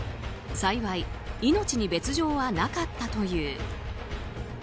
幸い、命に別条はなかったという。